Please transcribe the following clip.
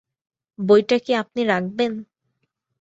বইটা কি আপনি রাখবেন?